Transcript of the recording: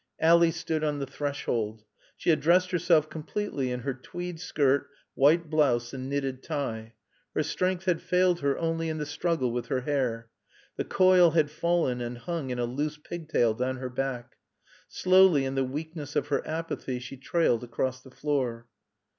Ally stood on the threshold. She had dressed herself completely in her tweed skirt, white blouse and knitted tie. Her strength had failed her only in the struggle with her hair. The coil had fallen, and hung in a loose pigtail down her back. Slowly, in the weakness of her apathy, she trailed across the floor.